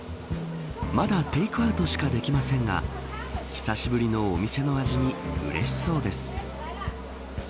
まだテイクアウトしかできませんが久しぶりのお店の味にうれしそうです。